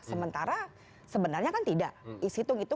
sementara sebenarnya kan tidak situng itu